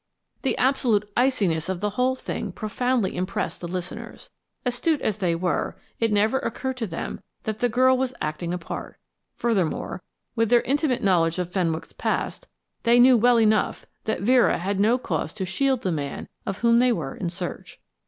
The absolute iciness of the whole thing profoundly impressed the listeners. Astute as they were, it never occurred to them that the girl was acting a part; furthermore, with their intimate knowledge of Fenwick's past, they knew well enough that Vera had no cause to shield the man of whom they were in search.